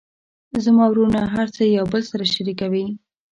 زما وروڼه هر څه یو بل سره شریکوي